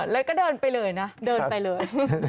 แล้วก็เดินไปเลยนะเดินไปเลย